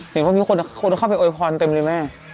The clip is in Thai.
เห็นว่ามีคนเข้าไปโอยพรเต็มเลยแม่